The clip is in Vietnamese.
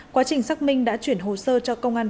quá trình xác minh đã chuyển hồ sơ cho công an tp hcm